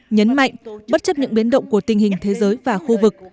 nhấn mạnh bất chấp những biến động của tình hình thế giới và khu vực